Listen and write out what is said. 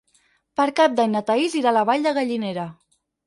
Per Cap d'Any na Thaís irà a la Vall de Gallinera.